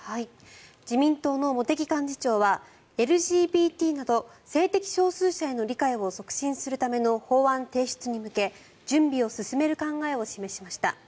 自民党の茂木幹事長はＬＧＢＴなど性的少数者への理解を促進するための法案提出に向け準備を進める考えを示しました。